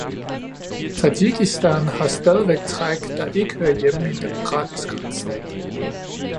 Tadsjikistan har stadigvæk træk, der ikke hører hjemme i en demokratisk retsstat.